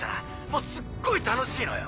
もうすっごい楽しいのよ。